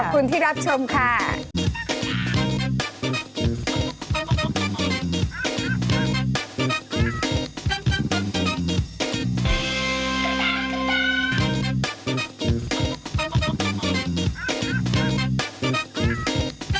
สวัสดีครับขอบคุณที่รับชมค่ะ